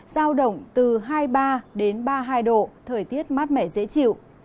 giao động từ hai mươi ba đến ba mươi hai độ thời tiết mát mẻ dễ chịu